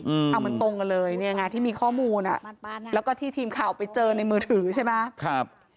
เอาเหมือนตรงกันเลยที่มีข้อมูลแล้วก็ที่ทีมข่าวไปเจอในมือถือใช่ไหม